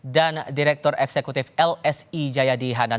dan direktur eksekutif lsi jayadi hanan